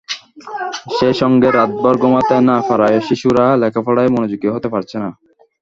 সেই সঙ্গে রাতভর ঘুমাতে না পারায় শিশুরা লেখাপড়ায় মনোযোগী হতে পারছে না।